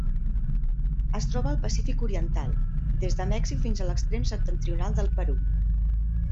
Es troba al Pacífic oriental: des de Mèxic fins a l'extrem septentrional del Perú.